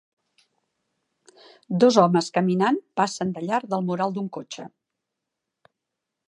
Dos homes caminant passen de llarg del mural d'un cotxe.